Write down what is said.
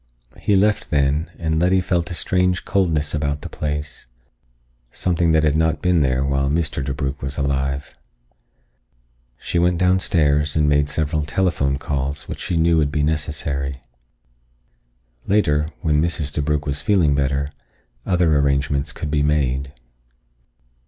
He left then, and Letty felt a strange coldness about the place, something that had not been there while Mr. DeBrugh was alive. She went downstairs and made several telephone calls which she knew would be necessary. Later, when Mrs. DeBrugh was feeling better, other arrangements could be made.